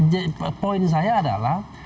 jadi poin saya adalah